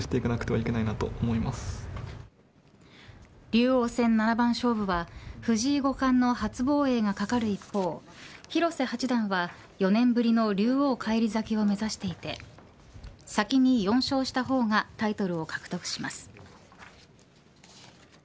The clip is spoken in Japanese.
竜王戦七番勝負は藤井五冠の初防衛がかかる一方広瀬八段は４年ぶりの竜王返り咲きを目指していて先に４勝した方がタイトルを獲得します。